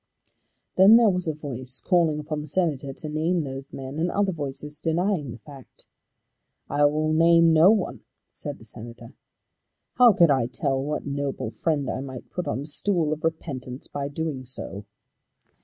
Then there was a voice calling upon the Senator to name those men, and other voices denying the fact. "I will name no one," said the Senator. "How could I tell what noble friend I might put on a stool of repentance by doing so?"